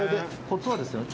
コツはですね